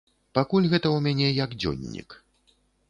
Пакуль гэта ў мяне як дзённік.